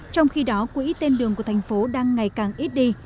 trong khi đó quỹ tên đường của thành phố đang ngày càng ít đi